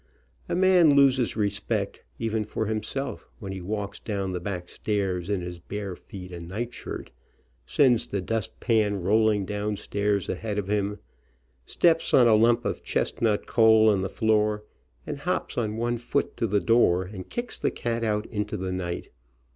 A man loses respect even for himself when he walks down the back stairs in his bare feet and night shirt, sends the dustpan rolling downstairs ahead of him, steps on a lump of chestnut coal on the floor, and hops on one foot to the door, and kicks the cat out into the night.